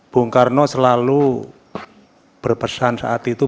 bung karno selalu berpesan saat itu